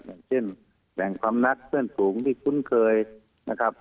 อย่างเช่นแบ่งความรักเพื่อนฝูงที่คุ้นเคยนะครับ